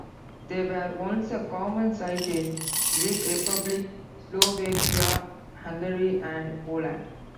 They were once a common sight in Czech Republic, Slovakia, Hungary and Poland.